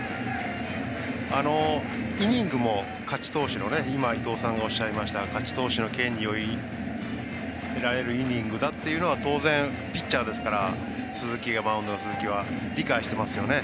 イニングも勝ち投手の今、伊藤さんがおっしゃいましたが勝ち投手の権利を得られるイニングだというのは当然ピッチャーですからマウンドの鈴木は理解していますよね。